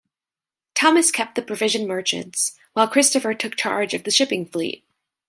Thomas kept the provision merchants, while Christopher took charge of the shipping fleet.